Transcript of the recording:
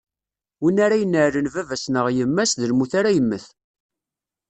Win ara ineɛlen baba-s neɣ yemma-s, d lmut ara yemmet.